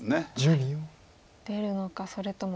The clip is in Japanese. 出るのかそれとも。